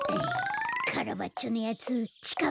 カラバッチョのやつちかごろ